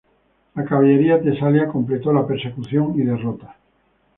La caballería tesalia completó la persecución y derrota.